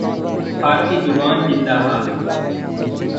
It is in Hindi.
फ़ारसी ज़ुबान ज़िंदाबाद!